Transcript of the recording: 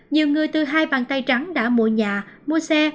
nhiều người từ hai bàn tay trắng đã mua nhà mua xe